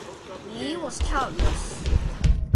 Li was childless.